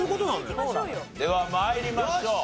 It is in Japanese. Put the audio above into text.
では参りましょう。